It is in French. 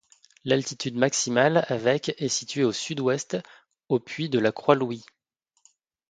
L'altitude maximale avec est située au sud-ouest, au puy de la Croix Louis.